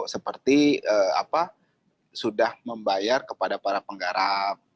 seperti sudah membayar kepada para penggarap